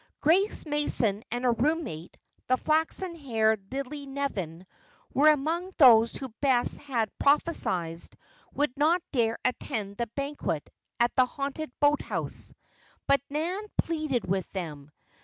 Grace Mason and her roommate, the flaxen haired Lillie Nevin, were among those who Bess had prophesied would not dare attend the banquet at the haunted boathouse. But Nan pleaded with them.